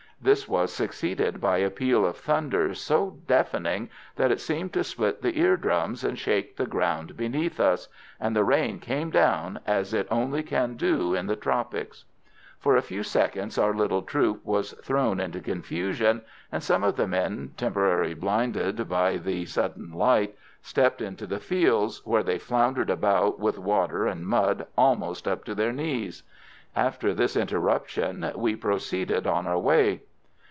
This was succeeded by a peal of thunder so deafening that it seemed to split the ear drums and shake the ground beneath us, and the rain came down as it only can do in the tropics. For a few seconds our little troop was thrown into confusion, and some of the men, temporarily blinded by the sudden light, stepped into the fields, where they floundered about with water and mud almost up to their knees. After this interruption we proceeded on our way.